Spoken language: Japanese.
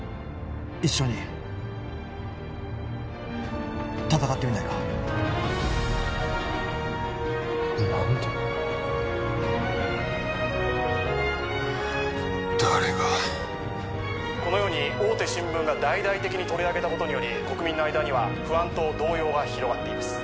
一緒に戦ってみないか何で誰がこのように大手新聞が大々的に取り上げたことにより国民の間には不安と動揺が広がっています